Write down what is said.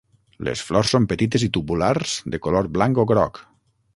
Les flors són petites i tubulars de color blanc o groc.